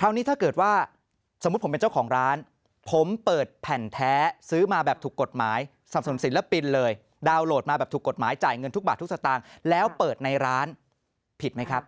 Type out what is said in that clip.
คราวนี้ถ้าเกิดว่าสมมุติผมเป็นเจ้าของร้านผมเปิดแผ่นแท้ซื้อมาแบบถูกกฎหมายสับสนุนศิลปินเลยดาวน์โหลดมาแบบถูกกฎหมายจ่ายเงินทุกบาททุกสตางค์แล้วเปิดในร้านผิดไหมครับ